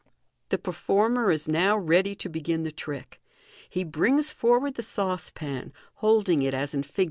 The performer is now ready to begin the trick. He brings for ward the saucepan, holding it as in Fig.